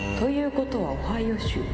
ことはオハイオ州